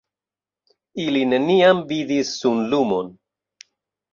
Ili neniam vidis sunlumon.